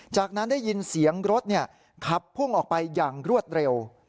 จากนั้นได้ยินเสียงรถขับพุ่งออกไปอย่างรวดเร็ว